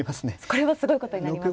これもすごいことになりますか。